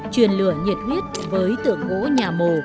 truyền lửa nhiệt huyết với tượng gỗ nhà mồ